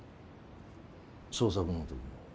捜索の時。